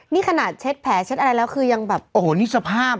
นี่ขนาดเขาเช็ดแผลอะไรแล้วคือยังแบบโอนี่สภาพ